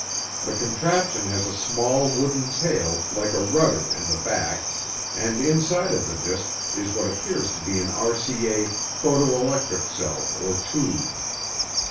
The contraption has a small wooden tail like a rudder in the back and inside of the disc is what appears to be an RCA photo electric cell or tube.